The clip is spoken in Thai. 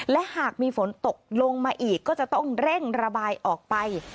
และหากมีฝนตกลงมาอีกก็จะต้องเร่งระบายออกไป